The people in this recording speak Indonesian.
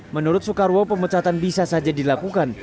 menurut soekarwo pemecatan bisa saja dilakukan